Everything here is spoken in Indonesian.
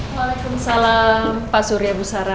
waalaikumsalam pak surya busara